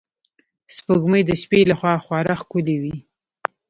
سپوږمۍ د شپې له خوا خورا ښکلی وي